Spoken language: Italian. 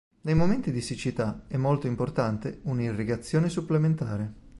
Nei momenti di siccità è molto importante un'irrigazione supplementare.